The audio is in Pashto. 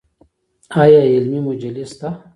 آیا علمي مجلې شته؟